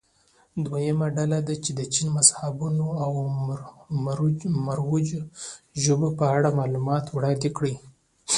دویمه ډله دې د چین مذهبونو او مروجو ژبو په اړه معلومات وړاندې کړي.